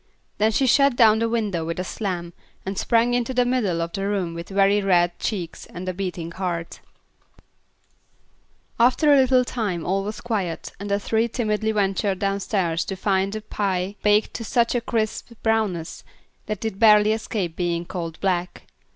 then she shut down the window with a slam, and sprang into the middle of the room with very red cheeks and a beating heart. After a little time all was quiet, and the three timidly ventured downstairs to find the pie baked to such a crisp brownness, that it barely escaped being called black.